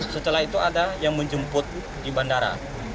setelah itu ada yang menjemput di bandara